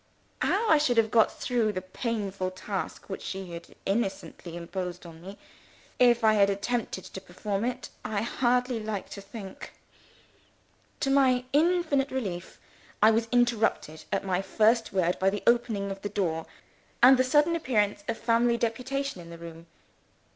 How I should have got through the painful task which she had innocently imposed on me, if I had attempted to perform it, I hardly like to think. To my infinite relief, I was interrupted at my first word by the opening of the door, and the sudden appearance of a family deputation in the room.